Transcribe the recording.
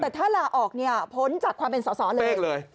แต่ถ้าลาออกเนี่ยพ้นจากความเป็นสอสอเลย